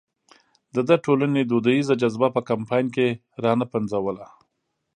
ده د ټولنې دودیزه جذبه په کمپاین کې را نه پنځوله.